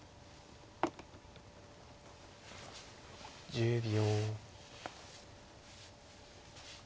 １０秒。